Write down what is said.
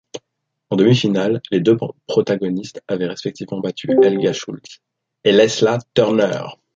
En demi-finale, les deux protagonistes avaient respectivement battu Helga Schultze et Lesley Turner.